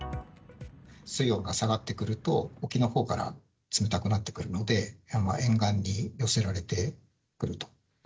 水温が下がってくると、沖のほうから冷たくなってくるので、沿岸に寄せられてくると。